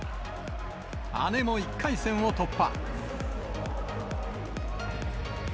姉も１回戦を突破。